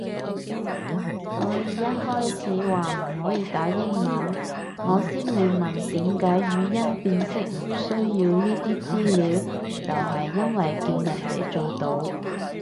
所以一開始話唔可以打英文，我先會問點解語音辨識唔需要呢啲資料就係因為見人哋做到